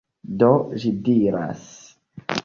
Do, ĝi diras: